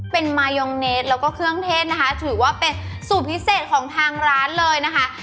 เป็นมายองเนสแล้วก็เครื่องเทศนะคะถือว่าเป็นสูตรพิเศษของทางร้านเลยนะคะ